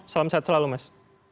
selamat malam mas